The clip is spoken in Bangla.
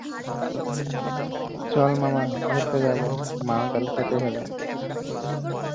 এই মাদ্রাসার বহু শিক্ষার্থীরা দেশের বিভিন্ন বিশ্ববিদ্যালয়ে উচ্চ শিক্ষার সুযোগ পেয়ে থাকে।